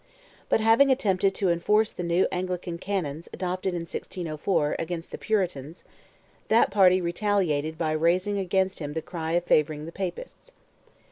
But having attempted to enforce the new Anglican Canons, adopted in 1604, against the Puritans, that party retaliated by raising against him the cry of favouring the Papists.